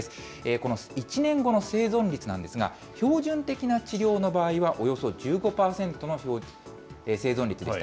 この１年後の生存率なんですが、標準的な治療の場合はおよそ１５％の生存率でした。